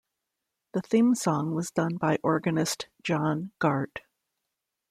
The theme song was done by organist John Gart.